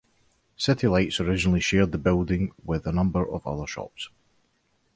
City Lights originally shared the building with a number of other shops.